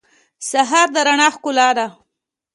سهار د رڼا ښکلا ده.